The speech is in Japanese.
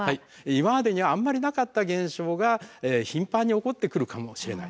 今までにはあんまりなかった現象が頻繁に起こってくるかもしれない。